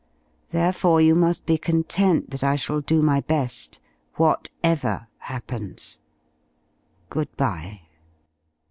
Therefore you must be content that I shall do my best, whatever happens. Good bye."